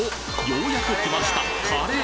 ようやく来ました